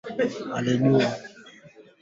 Kuwa na uhuru mutu eko na afya bora